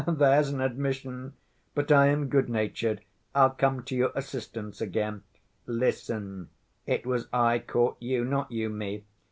There's an admission! But I am good‐natured. I'll come to your assistance again. Listen, it was I caught you, not you me.